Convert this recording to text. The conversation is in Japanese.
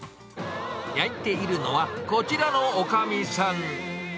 焼いているのは、こちらのおかみさん。